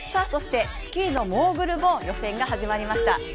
スキーのモーグルも予選が始まりました。